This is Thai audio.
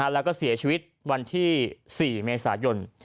และก็เสียชีวิตที่๓เมษายน